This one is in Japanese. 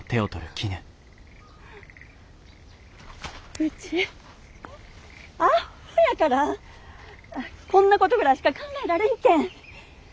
ウチアホやからこんなことぐらいしか考えられんけん。